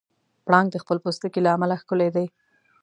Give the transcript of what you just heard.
پړانګ د خپل پوستکي له امله ښکلی دی.